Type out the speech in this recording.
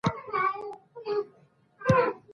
سړی د کورنۍ د سوکالۍ لپاره هڅه کوي